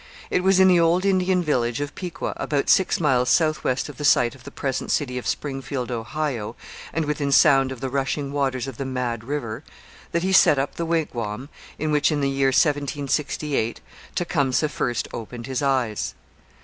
It was in the old Indian village of Piqua, about six miles south west of the site of the present city of Springfield, Ohio, and within sound of the rushing waters of the Mad River, that he set up the wigwam in which, in the year 1768, Tecumseh first opened his eyes.